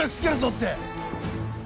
って。